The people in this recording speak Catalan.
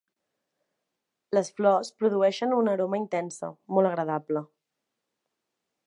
Les flors produeixen una aroma intensa, molt agradable.